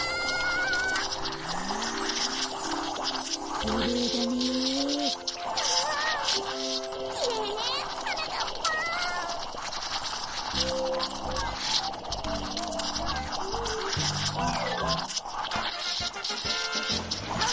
きれいねはなかっぱん。